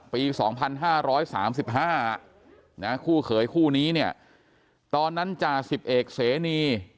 ปี๒๕๓๕คู่เขยคู่นี้เนี่ยตอนนั้นจ่าสิบเอกเสนี